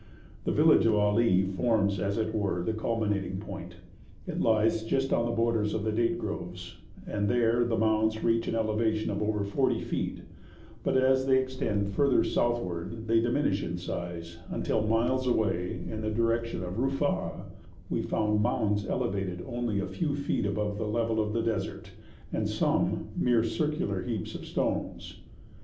The village of Ali forms as it were the culminating point; it lies just on the borders of the date groves, and there the mounds reach an elevation of over forty feet, but as they extend further southward they diminish in size, until miles away, in the direction of Rufa'a, we found mounds elevated only a few feet above the level of the desert, and some mere circular heaps of stones.